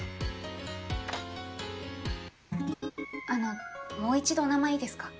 あのもう一度お名前いいですか？